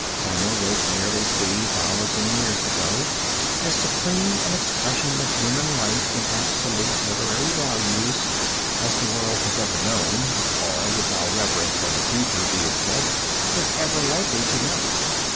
Homer wrote nearly three thousand years ago as supreme an expression of human life in absolute literary values as the world has ever known, or, with all reverence for the future be it said, is ever likely to know.